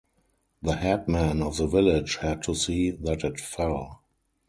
The headman of the village had to see that it fell.